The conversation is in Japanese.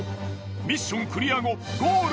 ミッションクリア後ゴール